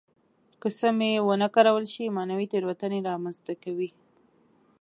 که سمې ونه کارول شي معنوي تېروتنې را منځته کوي.